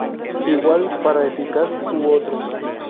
Igual para eficaz u otros.